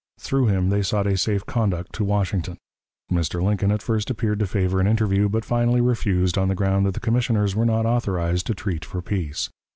Through him they sought a safe conduct to Washington. Mr. Lincoln at first appeared to favor an interview, but finally refused on the ground that the commissioners were not authorized to treat for peace.